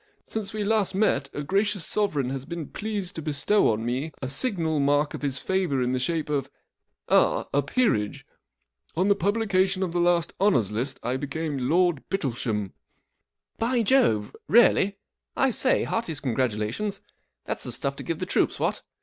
Since we last met a gracious Sovereign has been pleased to bestow on me a signal mark of his favour in the shape of— ah—a peerage. On the publication of the last Honours List I became Lord Bittlesham." 41 By Jove I Really ? I say, heartiest congratulations* That's the stuff to give the troops, what